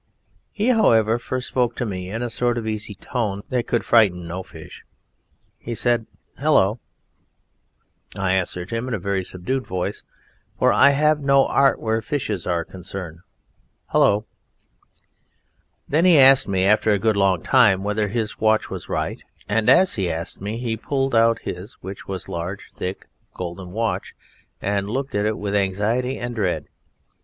He, however, first spoke to me in a sort of easy tone that could frighten no fish. He said "Hullo!" I answered him in a very subdued voice, for I have no art where fishes are concerned, "Hullo!" Then he asked me, after a good long time, whether his watch was right, and as he asked me he pulled out his, which was a large, thick, golden watch, and looked at it with anxiety and dread.